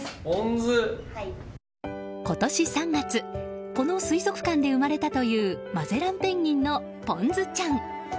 今年３月この水族館で生まれたというマゼランペンギンのぽんずちゃん。